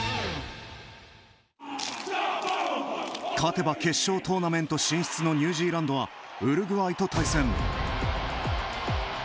勝てば決勝トーナメント進出のニュージーランドはウルグアイと対戦。